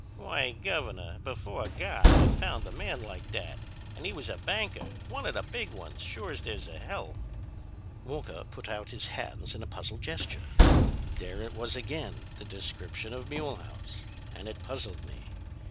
'Why, Governor, before God, I found a man like that, an' he was a banker—one of the big ones, sure as there's a hell!'" Walker put out his hands in a puzzled gesture. "There it was again, the description of Mulehaus! And it puzzled me.